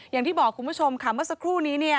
อย่างที่บอกคุณผู้ชมค่ะเมื่อสักครู่นี้เนี่ย